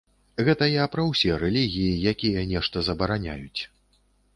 Гэта я пра ўсе рэлігіі, якія нешта забараняюць.